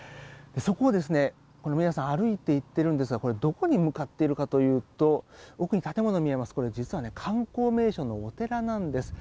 そこを皆さん歩いていってるんですがどこに向かっているかというと奥に建物が見えますがこれ、実は観光名所のお寺なんです。